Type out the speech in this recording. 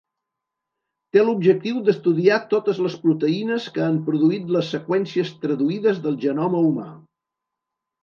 Té l'objectiu d'estudiar totes les proteïnes que han produït les seqüències traduïdes del genoma humà.